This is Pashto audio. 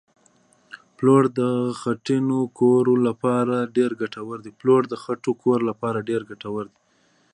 پلوړ د خټینو کورو لپاره ډېر ګټور دي